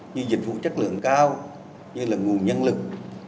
như dịch vụ chất lượng cao như là nguồn nhân lực